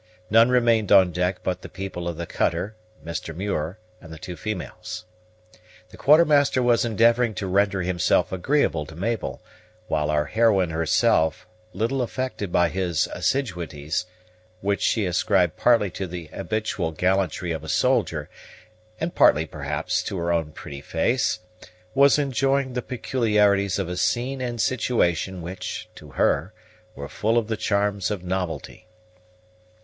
None remained on deck but the people of the cutter, Mr. Muir, and the two females. The Quartermaster was endeavoring to render himself agreeable to Mabel, while our heroine herself, little affected by his assiduities, which she ascribed partly to the habitual gallantry of a soldier, and partly, perhaps, to her own pretty face, was enjoying the peculiarities of a scene and situation which, to her, were full of the charms of novelty.